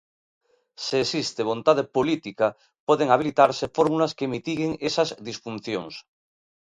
Se existe vontade política, poden habilitarse fórmulas que mitiguen esas disfuncións.